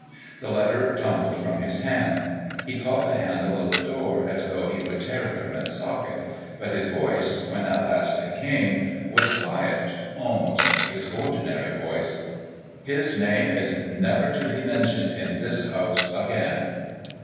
The letter tumbled from his hand. He caught the handle of the door as though he would tear it from its socket, but his voice, when at last it came, was quiet, almost his ordinary voice. "His name is never to be mentioned in this house again."